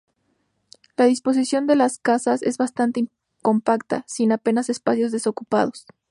La disposición de las casas es bastante compacta, sin apenas espacios desocupados.